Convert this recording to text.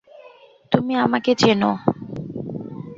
তুমি আমাকে চেন!